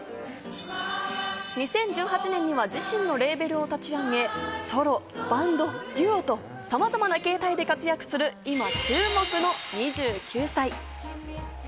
２０１８年には自身のレーベルを立ち上げソロ、バンド、デュオとさまざまな形態で活躍する今注目の２９歳。